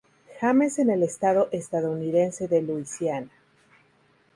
James en el estado estadounidense de Luisiana.